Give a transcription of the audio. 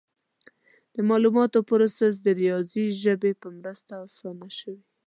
د معلوماتو پروسس د ریاضي ژبې په مرسته اسانه شوی.